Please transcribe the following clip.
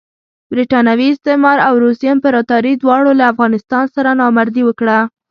برټانوي استعمار او روسي امپراطوري دواړو له افغانستان سره نامردي وکړه.